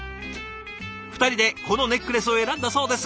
２人でこのネックレスを選んだそうです。